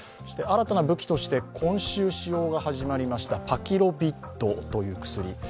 新たな武器として今週使用が始まりましたパキロビッドという薬。